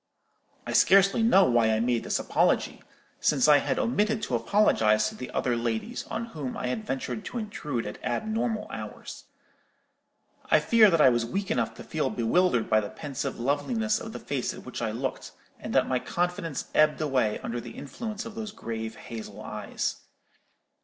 "I scarcely know why I made this apology, since I had omitted to apologize to the other ladies, on whom I had ventured to intrude at abnormal hours. I fear that I was weak enough to feel bewildered by the pensive loveliness of the face at which I looked, and that my confidence ebbed away under the influence of those grave hazel eyes.